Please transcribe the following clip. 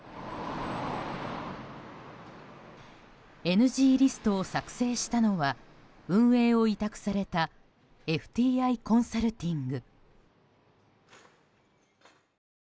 ＮＧリストを作成したのは運営を委託されたＦＴＩコンサルティング。